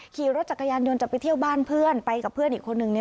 ขี่รถจักรยานยนต์จะไปเที่ยวบ้านเพื่อนไปกับเพื่อนอีกคนนึงเนี่ย